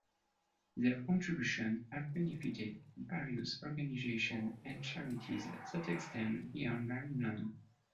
Their contributions have benefited various organizations and charities that extend beyond Maryland.